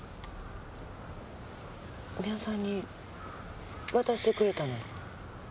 三輪さんに渡してくれたの？